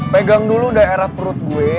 pegang dulu daerah perut gue